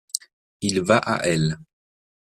Il va à elle.